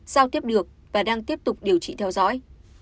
giao tiếp được và đang tiếp tục điều trị theo dõi